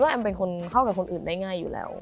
แอมเป็นคนเข้ากับคนอื่นได้ง่ายอยู่แล้ว